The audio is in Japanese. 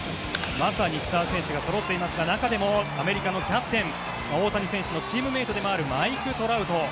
まさにスター選手がそろっていますが中でもアメリカのキャプテン大谷選手のチームメートでもあるマイク・トラウト。